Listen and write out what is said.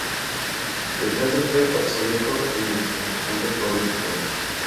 Del caso fue absuelto el narcotraficante Pablo Escobar.